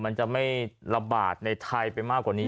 มันจะไม่ระบาดในไทยไปมากกว่านี้